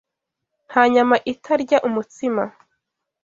Nta nyama itarya umutsima